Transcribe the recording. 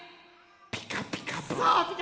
「ピカピカブ！」。